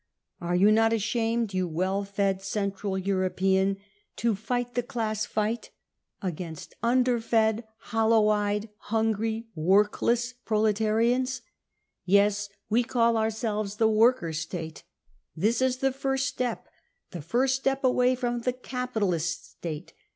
. Are you not ashamed, you well fed Central European, to fight the BROWN BOOK OF THE HITLER TERROR class fight against underfed, hollow eyed, hungry, workless proletarians ? Yes, we call ourselves the Workers' State. This is the first step. The first step away from the capitalist State.